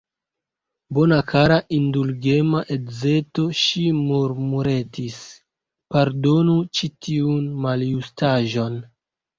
Bona, kara, indulgema edzeto, ŝi murmuretis, pardonu ĉi tiun maljustaĵon.